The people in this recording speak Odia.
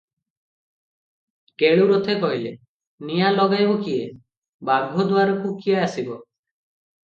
କେଳୁ ରଥେ କହିଲେ, "ନିଆଁ ଲଗାଇବ କିଏ, ବାଘଦୁଆରକୁ କିଏ ଆସିବ ।